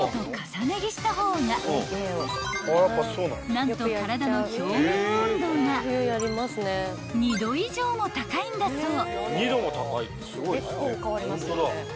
［何と体の表面温度が２℃以上も高いんだそう］